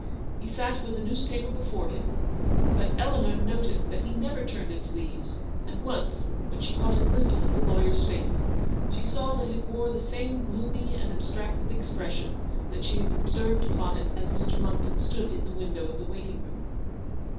He sat with a newspaper before him, GILBERT MONCKTON. 247 but Eleanor noticed that lie never turned its leaves, and once, when she caught a glimpse of the law yer's face, she saw that it wore the same gloomy and abstracted expression that she had observed upon it as Mr. Monckton stood in the window of the waiting room.